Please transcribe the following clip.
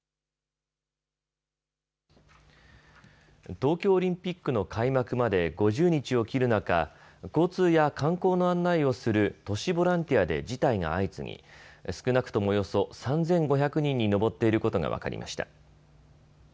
東京オリンピックの開幕まで５０日を切る中、交通や観光の案内をする都市ボランティアで辞退が相次ぎ、少なくともおよそ３５００人に上っていることが分かりました。